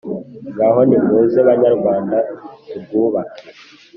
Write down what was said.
ngaho nimuze banyarwanda turwubake